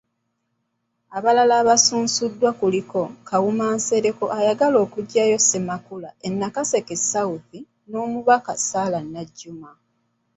Abalala abasunsuddwa kuliko; Kawuma Nsereko ayagala okuggyayo Ssemakula e Nakaseke South, n'Omubaka Sarah Najjuma.